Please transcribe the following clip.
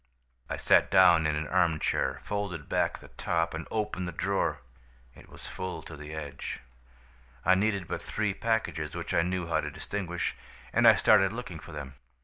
"I sat down in an arm chair, folded back the top, and opened the drawer. It was full to the edge. I needed but three packages, which I knew how to distinguish, and I started looking for them.